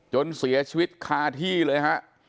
จนเสียชีวิตคาที่เลยฮะ